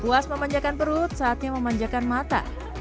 puas memanjakan perut saatnya memanjakan mata